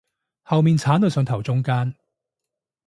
後面剷到上頭中間